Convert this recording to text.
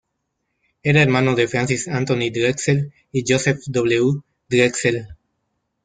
Era hermano de Francis Anthony Drexel y Joseph W. Drexel.